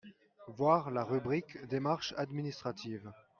voir la rubrique démarches administratives.